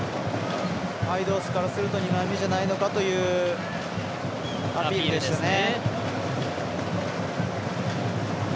ハイドースからすると２枚目じゃないのかというアピールでしたね。